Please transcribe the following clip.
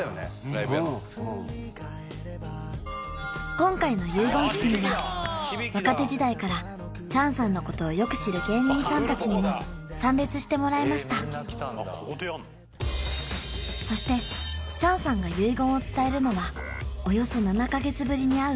今回の結言式には若手時代からチャンさんのことをよく知る芸人さん達にも参列してもらいましたそしてチャンさんが結言を伝えるのはおよそ７カ月ぶりに会う